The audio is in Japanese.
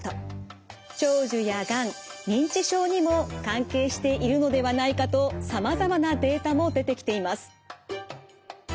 長寿やがん認知症にも関係しているのではないかとさまざまなデータも出てきています。